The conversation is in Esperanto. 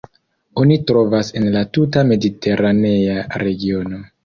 Oni trovas en la tuta mediteranea regiono.